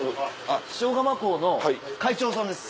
塩釜港の会長さんです。